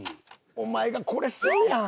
お前がこれするやん！